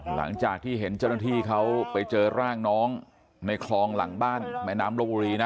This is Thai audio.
หลังจากที่เห็นเจ้าหน้าที่เขาไปเจอร่างน้องในคลองหลังบ้านแม่น้ำลบบุรีนะ